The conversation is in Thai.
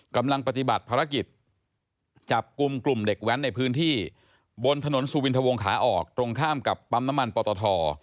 กำลังปฏิบัติภารกิจจับกลุ่มกลุ่มเด็กแว้นในพื้นที่บนถนนสุวินทวงขาออกตรงข้ามกับปั๊มน้ำมันปอตท